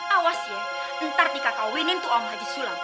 awas ya ntar dikakawinin tuh om haji sulam